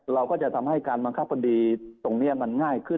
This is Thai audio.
เราก็จะทำให้การบังคับคดีตรงนี้มันง่ายขึ้น